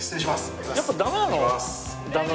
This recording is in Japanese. やっぱダメなのかな？